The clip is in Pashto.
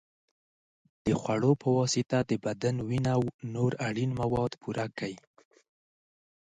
د خوړو په واسطه د بدن وینه او نور اړین مواد پوره کړئ.